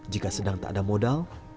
jika sedang tak ada modal